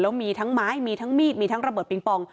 แล้วมีทั้งไม้มีทั้งมีดมีทั้งระเบิดปิงปอง